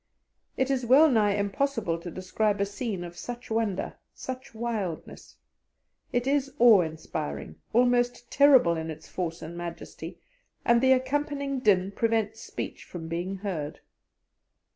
It is wellnigh impossible to describe a scene of such wonder, such wildness. It is awe inspiring, almost terrible in its force and majesty, and the accompanying din prevents speech from being heard.